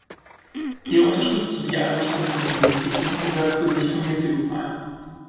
Er unterstützte die Einrichtung von Bibliotheken und setzte sich für Mäßigung ein.